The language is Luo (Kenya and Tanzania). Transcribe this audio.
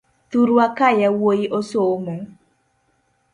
Thurwa ka yawuoi osomo.